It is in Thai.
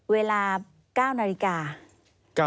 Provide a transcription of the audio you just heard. เวลา๙นาฬิกา